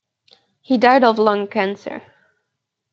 He died of lung cancer.